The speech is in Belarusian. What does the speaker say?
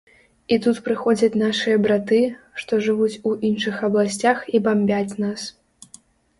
І тут прыходзяць нашыя браты, што жывуць у іншых абласцях і бамбяць нас.